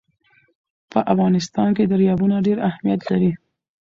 په افغانستان کې دریابونه ډېر اهمیت لري.